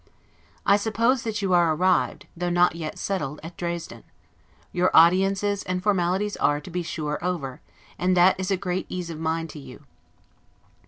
I now suppose that you are arrived, though not yet settled, at Dresden; your audiences and formalities are, to be sure, over, and that is great ease of mind to you.